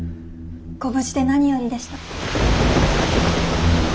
ご無事で何よりでした。